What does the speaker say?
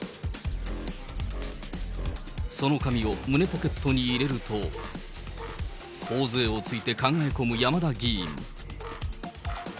その髪を胸ポケットに入れると、ほおづえをついて考えこむ山田議員。